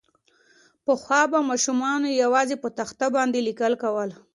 پخوا به ماسومانو یوازې په تخته باندې لیکل کول.